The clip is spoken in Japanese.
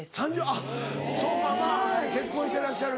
あっそうかまぁ結婚してらっしゃる。